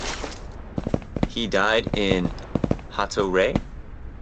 He died in Hato Rey.